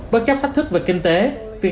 bất chấp thách thức về kinh tế